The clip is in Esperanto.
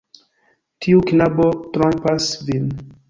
Tiu knabo trompas vin.